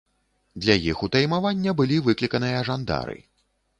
Для іх утаймавання былі выкліканыя жандары.